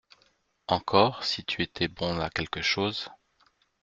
Encore si tu étais bon à quelque chose !…